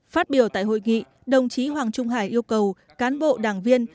phát biểu tại hội nghị đồng chí hoàng trung hải yêu cầu cán bộ đảng viên